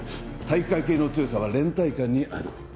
体育会系の強さは連帯感にある。